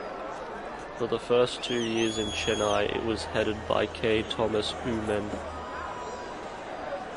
For the first two years in Chennai it was headed by K Thomas Oommen.